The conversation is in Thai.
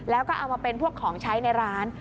แล้วก็เอามาเป็นพวกของใช้ในร้าน